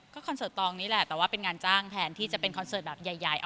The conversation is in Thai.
คอนเสิร์ตตองนี่แหละแต่ว่าเป็นงานจ้างแทนที่จะเป็นคอนเสิร์ตแบบใหญ่